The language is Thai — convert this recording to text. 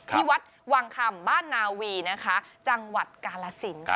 ที่วัดวังคำบ้านนาวีนะคะจังหวัดกาลสินค่ะ